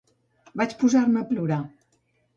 Vaig posar-me a plorar.